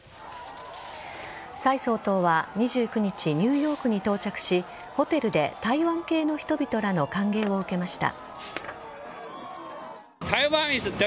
蔡総統は２９日ニューヨークに到着しホテルで台湾系の人々らの歓迎を受けました。